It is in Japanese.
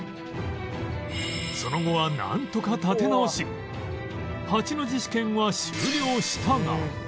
その後はなんとか立て直し８の字試験は終了したが